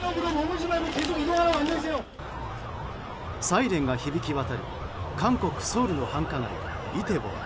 サイレンが響き渡る韓国ソウルの繁華街イテウォン。